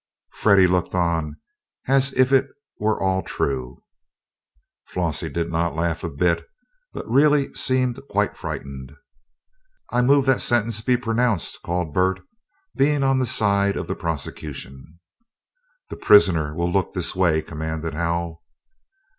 Freddie looked on as if it were all true. Flossie did not laugh a bit, but really seemed quite frightened. "I move that sentence be pronounced," called Bert, being on the side of the prosecution. "The prisoner will look this way!" commanded Hal.